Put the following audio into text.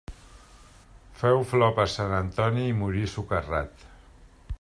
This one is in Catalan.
Féu flor per Sant Antoni i morí socarrat.